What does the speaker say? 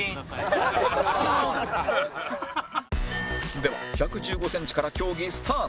では１１５センチから競技スタート